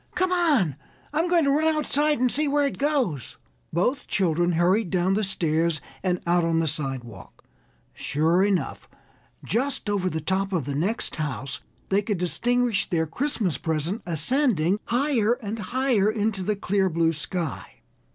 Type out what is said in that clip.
Come on. I'm going to run outside and see where it goes." Both children hurried down stairs and out on the sidewalk. Sure enough, just over the top of the next house they could distinguish their Christmas present ascending higher and higher into the clear blue sky.